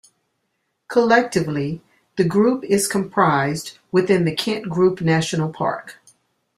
Collectively, the group is comprised within the Kent Group National Park.